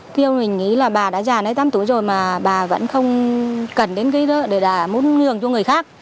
thì mình nghĩ là bà đã già đến tám túi rồi mà bà vẫn không cần đến cái đó để là muốn ngường cho người khác